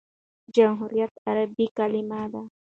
جمهوریت عربي کلیمه ده.